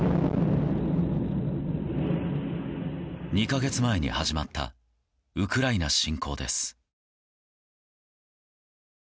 ２か月前に始まったウクライナ侵攻です。